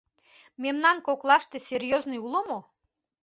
— Мемнан коклаште серьёзный уло мо?